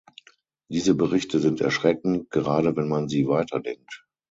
Diese Berichte sind erschreckend, gerade wenn man sie weiterdenkt.